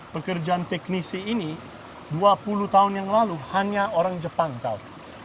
pekerjaan teknisi ini dua puluh tahun yang lalu hanya orang jepang tahu